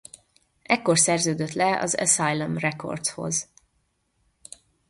Ekkor szerződött le az Asylum Recordshoz.